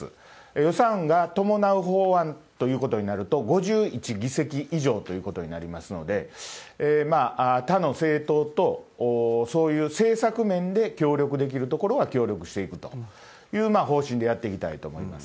予算が伴う法案ということになると、５１議席以上ということになりますので、他の政党とそういう政策面で協力できるところは協力していくという方針でやっていきたいと思います。